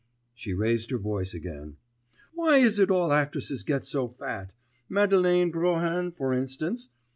She raised her voice again. 'Why is it all actresses get so fat? Madeleine Brohan for instance....